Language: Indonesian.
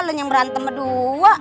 lo yang berantem kedua